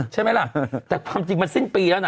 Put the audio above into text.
ใช่ไหมล่ะแต่ความจริงมันสิ้นปีแล้วนะ